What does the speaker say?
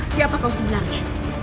siapa kau sebenarnya